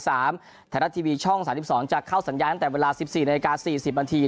ไทยรัฐทีวีช่อง๓๒จะเข้าสัญญาณตั้งแต่เวลา๑๔นาฬิกา๔๐นาที